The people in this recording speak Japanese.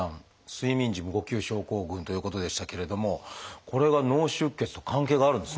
睡眠時無呼吸症候群ということでしたけれどもこれが脳出血と関係があるんですね。